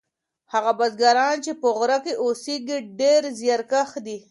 هغه بزګران چې په غره کې اوسیږي ډیر زیارکښ دي.